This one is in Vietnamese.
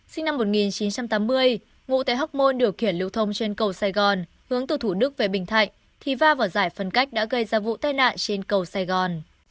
sinh năm một nghìn chín trăm tám mươi ngụ tại hóc môn điều khiển lưu thông trên cầu sài gòn hướng từ thủ đức về bình thạnh thì va vào giải phân cách đã gây ra vụ tai nạn trên cầu sài gòn